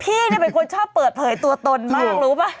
พี่เป็นคนชอบเปิดเผยตัวตนมากรู้ป่ะ